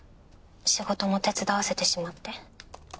仕事も手伝わせてしまって。